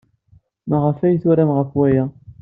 Maɣef ay turam ɣef waya?